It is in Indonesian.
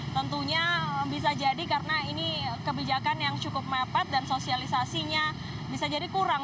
tentunya bisa jadi karena ini kebijakan yang cukup mepet dan sosialisasinya bisa jadi kurang